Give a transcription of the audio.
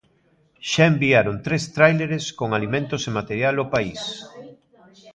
Xa enviaron tres tráileres con alimentos e material ao país.